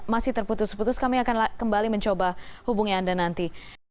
masih terputus putus kami akan kembali mencoba hubungi anda nanti